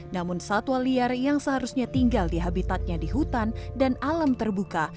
namun satwa liar yang seharusnya tinggal di habitatnya di hutan dan alam terbuka